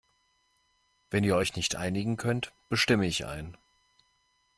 Wenn ihr euch nicht einigen könnt, bestimme ich einen.